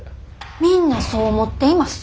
みんなそう思っています。